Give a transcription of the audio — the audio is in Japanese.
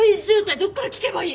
どっから聞けばいい？